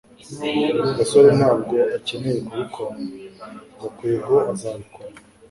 gasore ntabwo akeneye kubikora. gakwego azabikora